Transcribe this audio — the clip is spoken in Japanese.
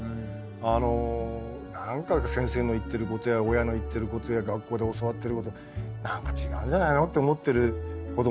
あの何か先生の言ってることや親の言ってることや学校で教わってること何か違うんじゃないのって思ってる子どもにとってはね。